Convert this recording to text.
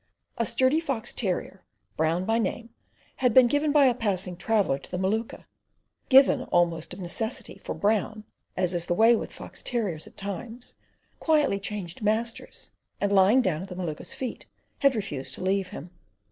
A sturdy fox terrier, Brown by name, had been given by a passing traveller to the Maluka, given almost of necessity for Brown—as is the way with fox terriers at times—quietly changed masters, and lying down at the Maluka's feet, had refused to leave him.